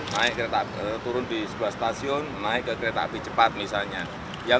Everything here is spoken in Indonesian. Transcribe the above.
naik kereta turun di sebuah stasiun naik ke kereta api cepat misalnya yang